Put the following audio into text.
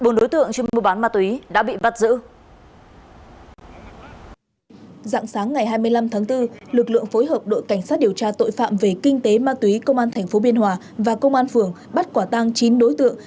cảnh sát điều tra tội phạm về kinh tế ma túy công an tp biên hòa và công an phường bắt quả tăng chín đối tượng